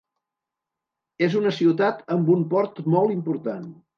És una ciutat amb un port molt important.